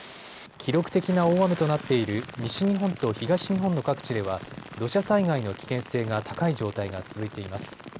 記録的な大雨となっている西日本と東日本の各地では土砂災害の危険性が高い状態が続いています。